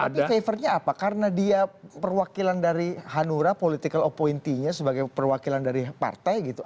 tapi favornya apa karena dia perwakilan dari hanura political appointee nya sebagai perwakilan dari partai gitu